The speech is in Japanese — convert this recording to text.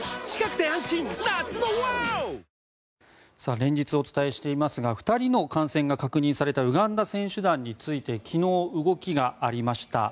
連日お伝えしていますが２人の感染が確認されたウガンダ選手団について昨日、動きがありました。